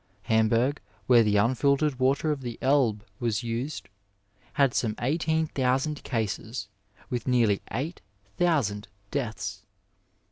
Hamburg, where the unfiltered water of the Elbe was used, had some eighteen thousand cases, with nearly eight thousand deaths.